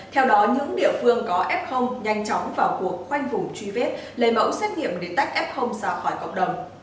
theo đó những địa phương có f nhanh chóng vào cuộc khoanh vùng truy vết lấy mẫu xét nghiệm để tách f ra khỏi cộng đồng